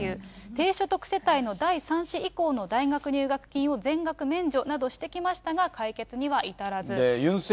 低所得世帯の第３子以降の大学入学金を全額免除などしてきましたが、解決には至らず。